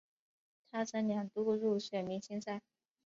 他曾两度入选明星赛。